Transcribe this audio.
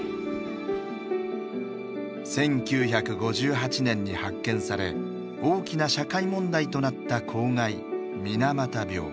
１９５８年に発見され大きな社会問題となった公害水俣病。